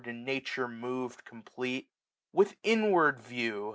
And Nature mov'd complete. With inward view.